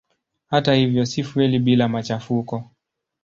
Hata hivyo si fueli bila machafuko.